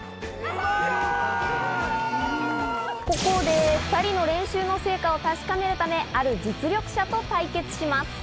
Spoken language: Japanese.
ここで２人の練習の成果を確かめるため、ある実力者と対決します。